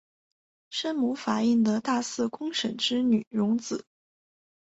生母法印德大寺公审之女荣子。